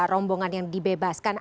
rombongan yang dibebaskan